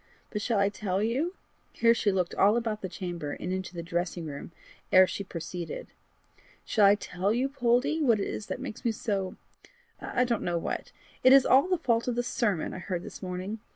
"But shall I tell you" here she looked all about the chamber and into the dressing room ere she proceeded "shall I tell you, Poldie, what it is that makes me so I don't know what? It is all the fault of the sermon I heard this morning.